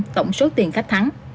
tổng số tiền khách thắng